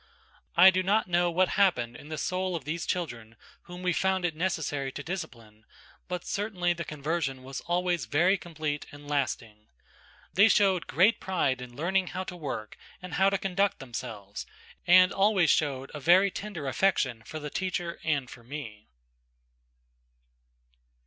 I do not know what happened in the soul of these children whom we found it necessary to discipline, but certainly the conversion was always very complete and lasting. They showed great pride in learning how to work and how to conduct themselves, and always showed a very tender affection for the teacher and for me.